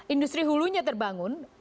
industri hulunya terbangun